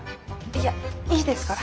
いやいいですから。